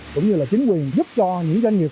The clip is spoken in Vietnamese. cũng như chính quyền giúp cho những doanh nghiệp